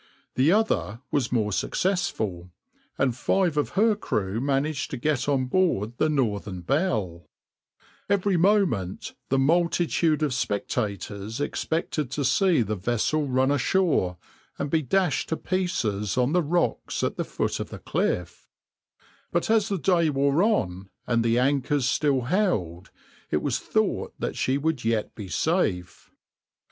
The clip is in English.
The other was more successful, and five of her crew managed to get on board the {\itshape{Northern Belle}}. Every moment the multitude of spectators expected to see the vessel run ashore and be dashed to pieces on the rocks at the foot of the cliff; but as the day wore on and the anchors still held, it was thought that she would yet be safe.